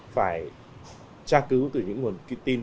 phải tra cứu từ những nguồn tin